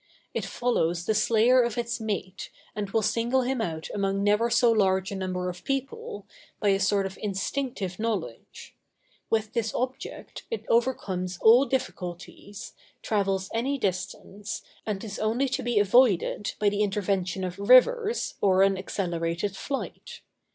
It follows the slayer of its mate, and will single him out among never so large a number of people, by a sort of instinctive knowledge; with this object it overcomes all difficulties, travels any distance, and is only to be avoided by the intervention of rivers or an accelerated flight.